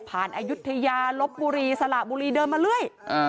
อายุทยาลบบุรีสละบุรีเดินมาเรื่อย